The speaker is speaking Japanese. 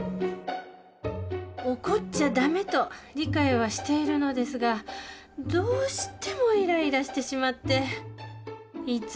怒っちゃダメと理解はしているのですがどうしてもイライラしてしまっていつも自己嫌悪です